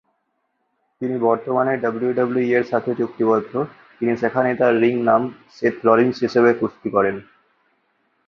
তিনি বর্তমানে ডাব্লিউডাব্লিউই এর সাথে চুক্তিবদ্ধ, তিনি সেখানে তার রিং নাম সেথ রলিন্স হিসেবে কুস্তি করেন।